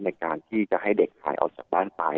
ในการที่จะให้เด็กหายออกจากบ้านไป